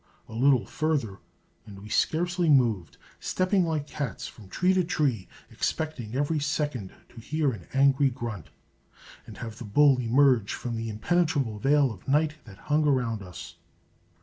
A little further, and we scarcely moved stepping like cats from tree to tree, expecting every second to hear an angry grunt and have the bull emerge from the impenetrable veil of night that hung around us.